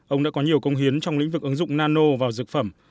ông đã có nhiều công hiến trong lĩnh vực ứng dụng nano vào dược phẩm